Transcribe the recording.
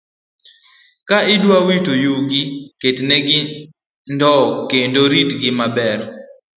Ka idwaro wito yugi, ketgi e ndowo kendo ritgi maber.